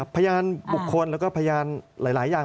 พยานบุคคลแล้วก็พยานหลายอย่าง